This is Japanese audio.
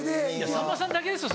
さんまさんだけですよ